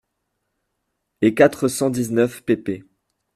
et quatre cent dix-neuf pp.